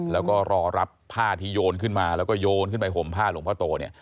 แล้วก็รอรับผ้าที่โยนขึ้นมาแล้วก็โยนขึ้นไปห่มผ้าหลวงพ่อโตเนี่ย